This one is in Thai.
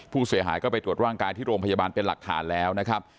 ผู้เสียหายก็ไปตรวจร่างกายที่โรงพยาบาลเป็นหลักฐานแล้วนะครับ